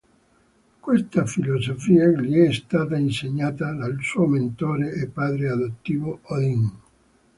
Questa filosofia gli è stata insegnata dal suo mentore e padre adottivo Odin.